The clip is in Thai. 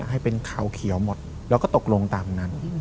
ให้เป็นขาวเขียวหมดแล้วก็ตกลงตามนั้น